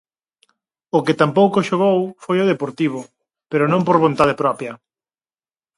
O que tampouco xogou foi o Deportivo, pero non por vontade propia.